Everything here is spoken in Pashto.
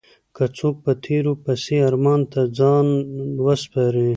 که څوک په تېرو پسې ارمان ته ځان وسپاري.